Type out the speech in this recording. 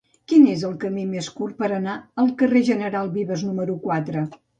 Quin és el camí més curt per anar al carrer del General Vives número quatre?